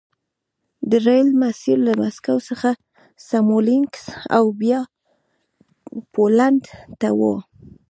د ریل مسیر له مسکو څخه سمولینکس او بیا پولنډ ته و